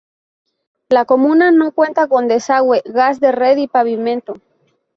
La comuna no cuenta con desagüe, gas de red y pavimento.